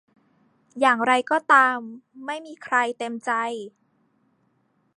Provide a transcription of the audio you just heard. อย่างไรก็ตามไม่มีใครเต็มใจ